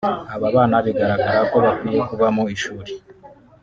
Aba bana bigaragara ko bakwiye kuba mu ishuri